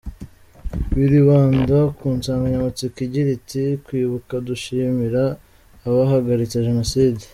Biribanda ku nsanganyamatsiko igira iti “Kwibuka dushimira abahagaritse Jenoside”.